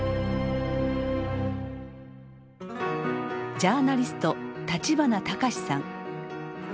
ジャーナリスト立花隆さん。